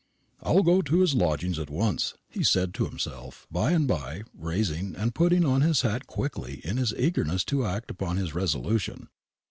"I'll go to his lodgings at once," he said to himself by and by, rising and putting on his hat quickly in his eagerness to act upon his resolution.